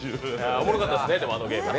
おもろかったですね、あのゲーム。